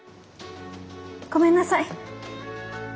ごめんなさい。